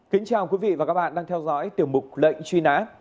kính chào quý vị và các bạn đang theo dõi tiểu mục lệnh truy nã